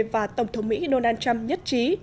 và tổng thống mỹ donald trump nhất trí